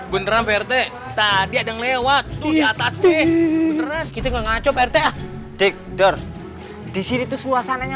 beneran perte tadi ada lewat lihat aku kita nggak ngaco pt dik dur disini tuh suasananya